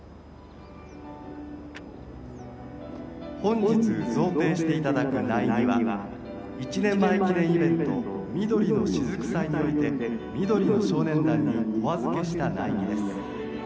「本日贈呈していただく苗木は１年前記念イベント緑のしずく祭において緑の少年団にお預けした苗木です。